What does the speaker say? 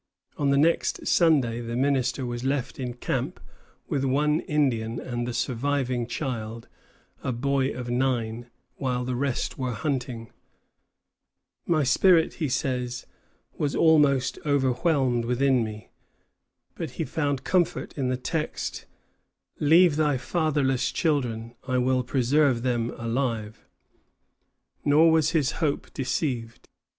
On the next Sunday the minister was left in camp with one Indian and the surviving child, a boy of nine, while the rest of the party were hunting. "My spirit," he says, "was almost overwhelmed within me." But he found comfort in the text, "Leave thy fatherless children, I will preserve them alive." Nor was his hope deceived.